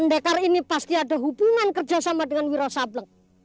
pendekar ini pasti ada hubungan kerjasama dengan wirosablen